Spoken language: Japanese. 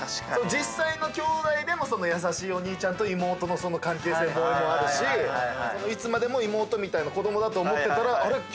実際のきょうだいでも優しいお兄ちゃんと妹の関係性萌えもあるしいつまでも妹みたいな子どもだと思ってたらあれ？